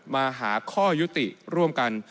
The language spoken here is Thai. มาหาข้อยุติร่วมกัน